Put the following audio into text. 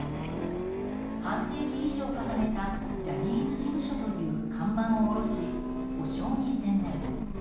半世紀以上掲げたジャニーズ事務所という看板を下ろし補償に専念。